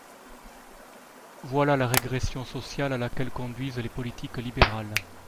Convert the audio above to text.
Voilà la régression sociale à laquelle conduisent les politiques libérales